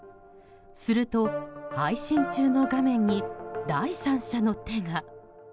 すると配信中の画面に第三者の手が。